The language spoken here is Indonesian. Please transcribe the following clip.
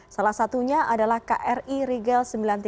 salah satunya adalah kri rigel sembilan ratus tiga puluh